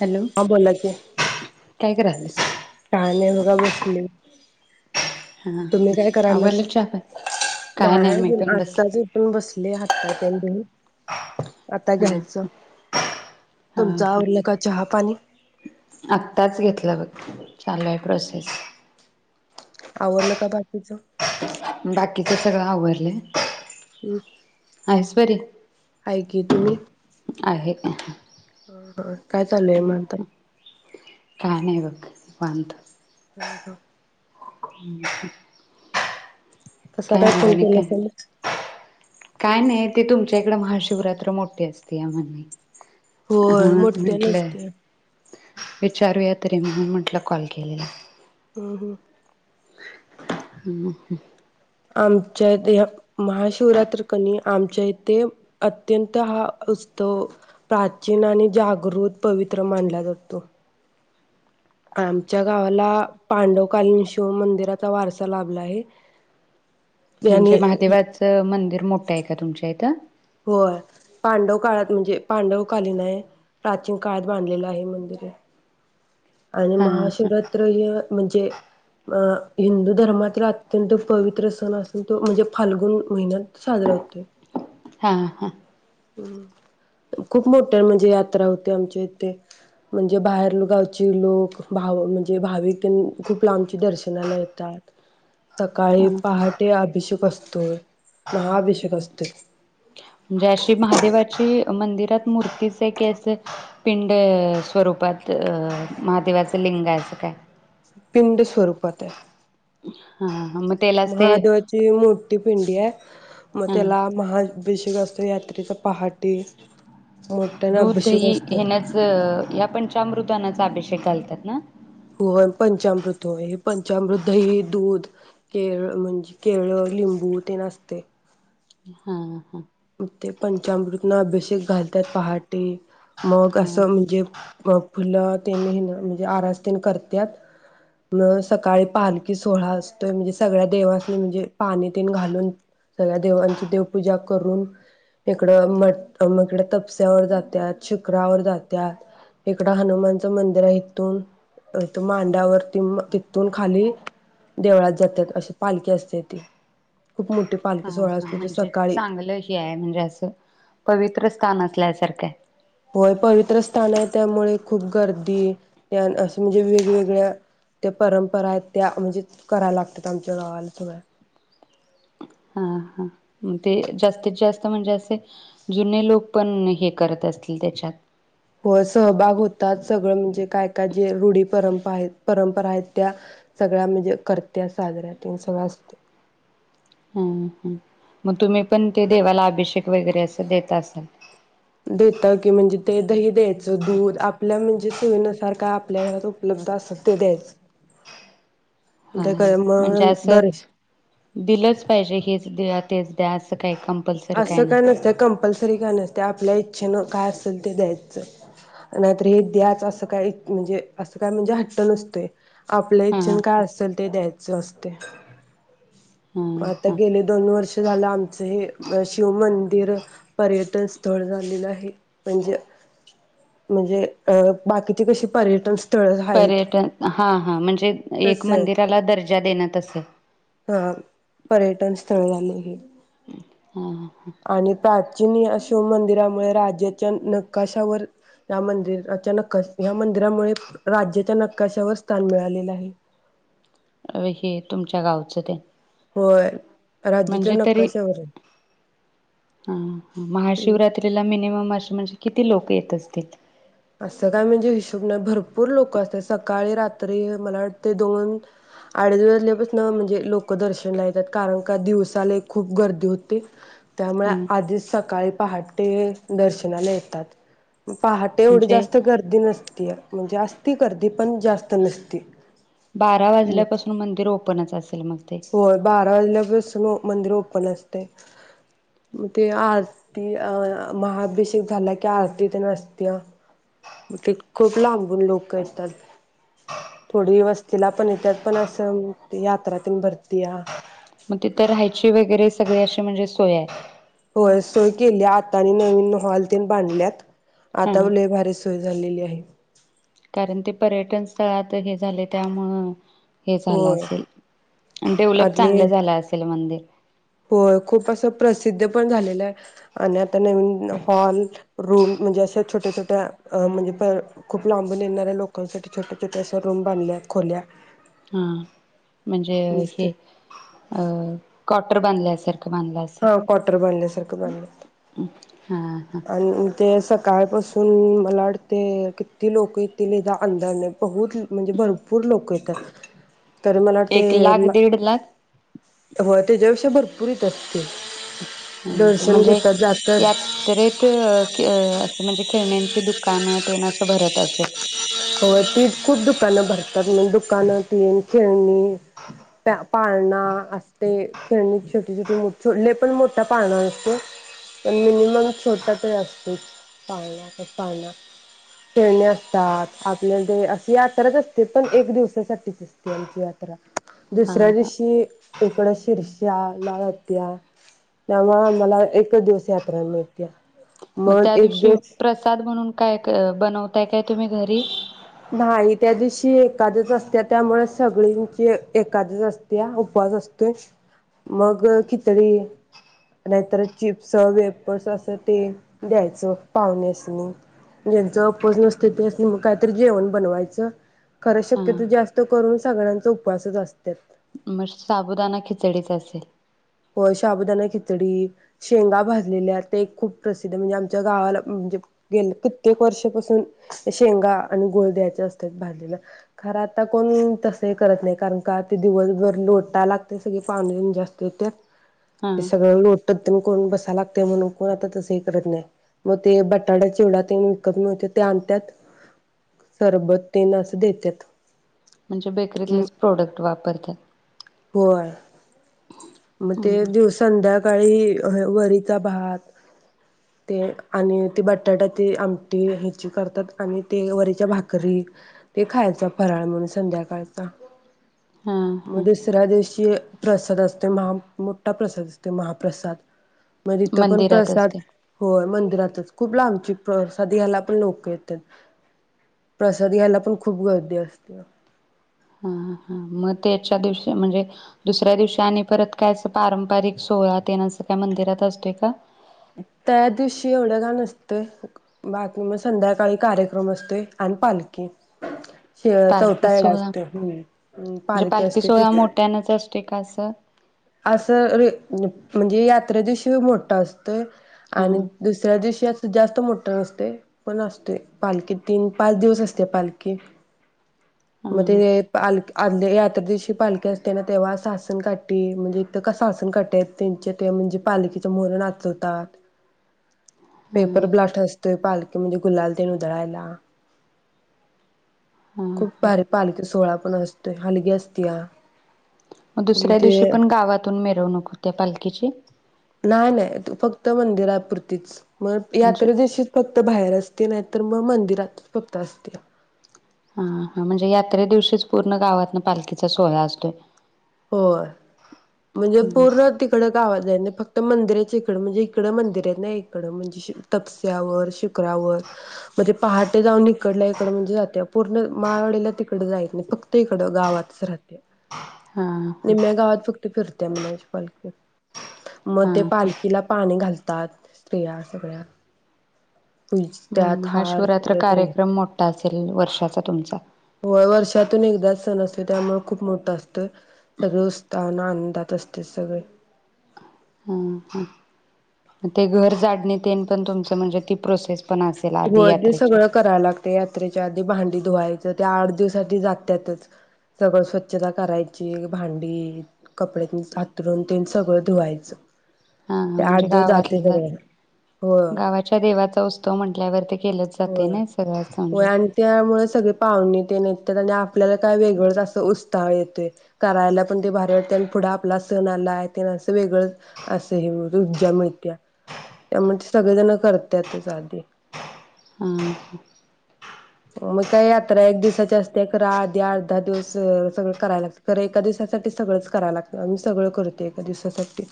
Hello हं बोला की काय करायलीस? काय नाही बघा बसली. तुम्ही काय करायला आवरलं सा? चहा पाणी काय मी नाही, पण आताच बसले उठून बसले हातपाय तोंड धून आता हा घ्यायचं, हा तुमचं हा आवरलं का चहा-पाणी? आत्ताच घेतला बघ चालू आहे प्रोसेस आवडलं का बाकीचं? बाकीचं सगळं आवरलय. आईस बरी? आहे की तुम्ही? आहे. हा, हा, काय चालू आहे मग आता? काय नाही बघ.. निवांत हम् हम् [unintelligible] [inaudible] तसं काय मग फल आणि केलं काय असेल ना. काय नाही, ते तुमच्या इकडे महाशिवरात्र मोठी असते या म्हणे. होय, म्हणून मोठ्या म्हटलं नसत्या. विचारूया तरी मी म्हटलं कॉल केलेला. हं हं हं आमच्या इथे महाशिवरात्र कनी आमच्या इथे अत्यंत हा उत्सव प्राचीन आणि जागृत पवित्र मानला जातो. आमच्या गावाला पांडवकालीन शिव मंदिराचा वारसा लाभला आहे. त्यानी म्हणजे, महादेवाचं मंदिर मोठं आहे का तुमच्या इथं? होय, पांडव काळात म्हणजे पांडवकालीन आहे प्राचीन काळात बांधलेलं आहे मंदिर आहे. आणि हा हा महाशिवरात्री म्हणजे अं हिंदू धर्मातील अत्यंत पवित्र सण असून तो म्हणजे फाल्गुन महिन्यात साजरा होतोय. हा हा खूप मोठ्या म्हणजे यात्रा होते. आमच्या इथे म्हणजे बाहेर गावचे लोक भाव म्हणजे भाविक खूप लांब दर्शनाला येतात. सकाळी हा पहाटे अभिषेक असतो. तर महाअभिषेक असतोय. म्हणजे अशी महादेवाची मंदिर मूर्तीचे कसे पिंड स्वरूपात महादेवाचं लिंग असं काय पिंड स्वरूपात हाय हा मग त्यालाच ते महादेवाची मोठी पिंडी आहे मग हा त्याला महा अभिषेक असतोय यात्रेच पहाटे दूध दही हेनाच या पंचामृदानाचा अभिषेक घालतात. ना हो पंचामृत हे पंचामृत दही दूध केळ म्हणजे केळ लिंबू तेन असतंय. हा हा ग ते पंचामृतन अभिषेक घालत्यात पहाट मग हा अस म्हणजे फुलं तेन ह्यान म्हणजे आरस तन करत्यात सकाळी पालकी सोहळा असतोय. म्हणजे सगळ्या देवासनी म्हणजे.. पाणी तन घालून सगळ्या देवांची देवपूजा करून इकड म म तपस्यावर जात्यात, शिखरावर जात्यात इकड हनुमानच मंदिर आहे इथून मांड्यावर त तून खाली देवळात जात जात अशी पालखी असतिया ती खूप मोठी हा पालखी सोहळा हा असतोय तो म्हणजे सकाळी चांगलं म्हणजे अस पवित्र स्थान असल्यासारखं हाय होय पवित्र स्थान आहे. त्यामुळे खूप गर्दी त्या असं म्हणजे वेगवेगळ्या त्या परंपरा आहेत. त्या म्हणजे कराय लागतात आमच्या गावाला सगळ्या हा हा ते जास्तीत जास्त म्हणजे असे जुने लोक पण हे करत असतील त्याच्यात होय सहभाग होतात सगळं म्हणजे काय काय जे रूढी परंप आहेत परंपरा आहेत त्या सगळ्या म्हणजे करत्या साजऱ्या त सगळं असतय. हा ह मग तुम्ही पण ते देवाला अभिषेक वगैरे असं देत असाल देताव की म्हणजे ते दही द्यायचं दूध आपल्या म्हणजे सोयी नुसार आपल्या घरात उपलब्ध असत द्यायचं. हा त्या काय म्हणजे मग असं दर्श दिलंच पाहिजे हेच तेच त्या असं काही काम असं काय नसतय कंपल्सरी काय नसतय आपल्या ई ते नवं काय असल ते द्यायच नाहीतर, हे द्याच असं काय म्हणजे असं काय म्हणजे हट्ट नसतोय. आपल्या हा इच्छन काय असेल ते द्यायचं असत. ते हा मग आता हा गेले दोन वर्ष झालं आमचं हे! अ शिव मंदिर पर्यटन स्थळ झालेलं आहे, म्हणजे म्हणजे अ बाकीचे कशी पर्यटन स्थ पर्यटन हा हा म्हणजे एक तस मंदिराला दर्जा देण असे! हा पर्यटन स्थळ झाल हे! [inaudible] हम्म हां आणि प्राचीन शिव मंदिरामुळे राज्याच्या नकाशावर या मंदिराच्या नकाश ह्या मंदिरामुळे राज्याच्या नकाशावर स्थान मिळालेलं आहे. अ हे तुमच्या गावचं ते. होय राज्याच्या नक्काशा शहर आहे. ह महाशिवरात्रीला मिनिमम आर म्हणजे किती लोक येत असतील? असं काय म्हणजे, हिशोब नाही भरपूर लोक असतात. सकाळी रात्री मला वाटते दोन अडेच वाजल्यापासून म्हणजे लोक दर्शनला येतात कारण का दिवसाले खूप गर्दी होते. त्यामुळे हा आधीच सकाळी पहाट ते दर्शनाला येतात. पा तेवढी म्हणजे जास्त गर्दी नसत्या म्हणजे असस्ती गर्दी पण जास्त नसती. बारा [inaudible] वाजल्यापासून मंदिर ओपनच असेल मग ते होय बारा वाजल्यापासून मंदिर ओपन असत. ते आरती अ महाभिषेक झाला की आरती तर असत्या ते खूप लाबून लोक येतात थोडी वस्तीला पण येतात पण असं यात्रातून भरती या मग तिथं राहायची वगैरे सगळ अशी म्हणजे सोया होय सोय केली आता आणि नवीन हॉल ते बांधल्यात हा आता पण लई भारी सोय झालेली आहे. कारण ते पर्यटन स्थळात हे झाले त्यामुळं हे झालं होय असेल. आणि डेव्हलप चांगलं आणि झालं असेल मंदिर होय. खूप असं प्रसिद्ध पण झालेलं आहे, आणि आता नवीन हॉल रूम म्हणजे अशा छोट्या छोट्या म्हणजे प खूप लांबून येणाऱ्या लोकांसाठी छोट्या छोट्या अश्या रूम बांधल्यात खोल्या हां. म्हणजे ते हे अं क्वार्टर बांधले असेल हां. क्वार्टर बांधल्या सारखं बांधल्यात. हा हा आणून ते सकाळ पासून मलाडते किती लोक येतील इथ अंदाज नाही. बहुत म्हणजे भरपूर लोक येतात. तरी मला वाटते, एक लाख दीड लाख होय. तेज्या भरपूर ह येत्यात दर्शन घेतात. जातात तर [unintelligible] म्हणजे खेळण्यांची दुकानात तेन अस भरत असेल. होय. तीच खूप दुकानं भरतात म्हनजे दुकान तेन खेळणी प्या पाळणा असते, खेळणी छोटी छोटी [unintelligible] लिफ्ट [unintelligible] त्या पानांची [unintelligible] पण मिनिमम छोटा तर असतोच पाळणा, पाळणा, खेळणे असतात. आपल्याला ते अस यात्रा अस ते पण एक दिवसासाठीच असते. आमची यात्रा हा दुसऱ्या हा दिवशी इकडं शिर्ष्या लाळआत्या त्यामुळे आम्हाला एकच दिवस यात्रा मिळते. मग त्या दिवशी प्रसाद म्हणून काय? बनवत ताय काय तुम्ही घरी? नाही. त्या दिवशी एकादस असत्या त्यामुळे सगळींची एखादस असत्या, उपवास असतोय, मग खिचडी, नाहीतर चिप्स, वेपर्स असं ते द्यायचं पाहूण्यासनी ज्यांचा उपवास नसत त्यासनी मग का जेवण बनवायचं खरं हा शक्यतो जास्त करून सगळ्यांचा उपवासच असत्यात. मग साबुदाना खिचडीच असेल. होय. शाबुदाना खिचडी, शेंगा भाजलेल्या ते खूप प्रसिद्ध म्हणजे आमच्या गावाला म्हणजे गेले कित्येक वर्षापासून शेंगा आणि गूळ द्यायचे असतय भाजलेल, खरं आता कोण तस हे करत नाही, कारण का ते दिवसभर लोटायला लागते सगळे पावणी जास्त येत्यात ते हा सगळं लोट [unintelligible] कोण बसा लागते म्हणून कोण आता तसं हे करत नाही मग ते बटाटा चिवडा ते विकत मिळतो आणत्यात सरबत तेन असं देत्यात म्हणजे बेकरीतलंच प्रोडक्ट वापरत्यात. होय मग ते हम्म दिवसध्या सकाळी वरीचा भात ते आणि ते बटाटा ते आमटी ह्याची करतात आणि ते वरीच्या भाकरी ते खायचा फराळ म्हणून संध्याकाळचा हा हा हे प्रसाद असतोय महा मोठा प्रसाद असतोय महाप्रसाद मग तीथं पण मंदिरातच प्रसाद ते होय म्हण राहतात खूप लांबची प्रसाद घ्यायला पण लोक येत्यात प्रसाद घ्यायला पण खूप गर्दी असते. हा हा मग त्याच्या दिवशी म्हणजे दुसऱ्या दिवशी आणि परत काय अस पारंपरिक सोहळा तेन असं काय मंदिरात असतोय का? त्या दिवशी एवढे काय नसतय बाकी म संध्याकाळी कार्यक्रम असतोय आणि पालखी तिळ पालखी चौथा हेड सोहळा असत हम्म पालखी असते तिथे. ते का अस. असं हे ह म्हणजे यात्रे दिवशी मोठा असतो. हां आणि दुसऱ्या दिवशी अस जास्त मोठं नसतय पण असतोय पालखी तीन पाच दिवस असते पालखी. म ते हां पाल आदल्या या तर दिवशी पालखी असतेना तेव्हा सहासन काढ ते म्हणजे इथ कस आसन कट त्यांच्या ते म्हणजे पालखीच्या म्होरं नाचवतात. पेपर ब्लास्ट असतोय पाल म्हणजे गुलाल आणी ते उधळायला. हां खूप भारी पालखी सोहळा असतोय हलगी असतीया. मग दुसऱ्या दिवशी पण गावातून मिर त्या पालखीची. नाही नाही फक्त मंदिरापुुरतीच मग म्हणजे यात्रा दिवशी फक्त बाहेर असते. ती नाही तर मग मंदिरात फक्त असतेया. हा हा म्हणजे यात्रे दिवशीच पूर्ण गावातन पालखीचा सोहळा असतोय. होय म्हणजे पूर्ण तिकडं गावात आहे ना फक्त मंदिरच इकडं म्हणजे इकडं मंदिर आहे ना इकडं म्हणजे शिक तपस्यावर शिक गरावर म्हणजे पहाटे जाउन इकडल्या इकडं म्हणजे जातंय पूर्ण माळवणीला तिक कुढ जाईत नाही. ईकडं गावातच राहते. हां हां निम्म्या गावात फक्त फिरतेय म्हणायची पालखी मग हां ते हां. पालखीला पाणी घालतात स्त्रिया सगळ्या. पूजतात हम्म हा हार शिवरात्र फुलं तेन कार्यक्रम मोठ्ठा. करेल वर्षाचा तुमचा. होय वर्षातून एकदाच सण असतो त्यामुळे खूप मोठा असतो. सगळे उत्साहा आन आनंदात असते सगळे. ते घर झाडणे ते पण तुमच, म्हणजे ती प्रोसेस पण असेल आधी होय ते यात्रेच्या सगळं कराव लागते यात्रेच्या आधी भां धुवायच त्या आठ दिवस आधी लागत्यातच सगळं स्वच्छता करायची भांडी, कपडे, हातरून तेन सगळं धुवायचं. हाहा ते म्हणजे आठ दिवस गावात जाते सगळं होय गावाच्या देवाचा उत्सव म्हण होय होय आणि त्यामुळे सगळे पाहुणे ते नाही [unintelligible] ते आपल्याला काय ते वेगळाच अस उत्साह येतो. करायला पण ते भारी वाटतंय, पुढे आपला सण आलाय, ते अस वेगळ अस ऊर्जा मिळते. त्यामुळे सगळेजण करत्यातच आधी ह [inaudible] ह, मग काय, यात्रा एका दिवसाची असते. तर आधी आठ-दहा दिवस सगळं करायला लागतं. तर एका दिवसासाठी सगळं करायला लागतं. मी सगळ करते. एका दिवसासाठी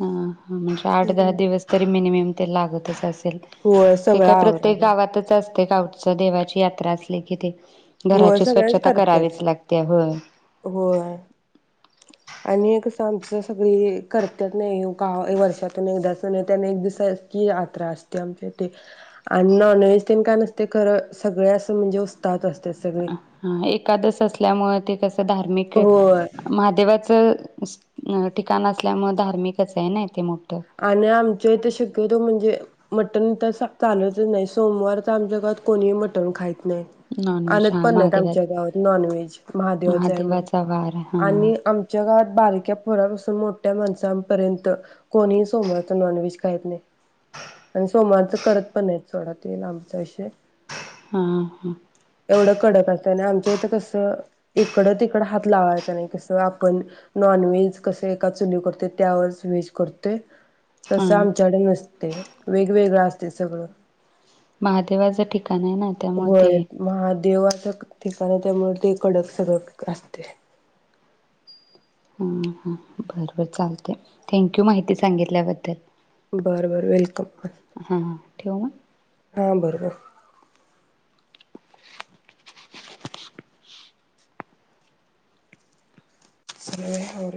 हा, म्हणजे आठ -दहा हम्म दिवस तरी मिनिमम ते लागतच असेल. होय ते सगळं काय प्रत्येक आवरायला गावातच असते गावच देवाची यात [inaudible] त्रासले की ते. होय घराची सगळ्याच स्वच्छता करत्यात करावीच लागते. होय? होय आणि कसं आमच सगळी करतच नाही का वर्षातून एकदा त्याने एक दिसाची यात्रा असते आमच्या इथे आणि नॉन व्हेज त्यांने काय नसते खर सगळे असं म्हणजे उस्तहात असते [unintelligible] हा, एकादस असल्यामुळे, ते कसं धार्मिक होय महादेवाच ठिकाण असल्यामुळे, धार्मिकच आहे ना, ते मोठ. आणि आमच्या इथ शक्यतो म्हणजे मटण तर चालतच नाही सोमवार तर आमच्या घरात कोणी मटण खात नाही. नॉनव्हेज आणत हा पण नाहीत महादेवा आमच्या गावात नॉन व्हेज महादेवाच आहे म्हणून महादेवाचा वार हा आणि आमच्या गावात बारक्या पोरा समोर ठ्या माणसांपर्यंत कोणीही सोमवारच नॉनव्हेज खाइत नाही. आणि सोमवारच करत पण नाहीत सोडा ते लांबचा विषय हा हा त्याने आमच्या इथं कसं इकड - तिकड हात लावायचा नाही. कसं आपण नॉन व्हेज कसं एका चुली करतोय त्यावरच व्हेज करतो. ते हा तसं आमच्याकड नसतय वेगवेगळ अस ते सगळं महादेवाच ठिक का नाही ना त्यामुळ ते देवाच ठिकाण आहे त्यामुळे ते कडक सगळ असतय. ह ह बरोबर चालतय थँंक यू माहिती सांगितल्याबद्दल बर बर वेलकम ठेवू मग हा बरोबर [inaudible]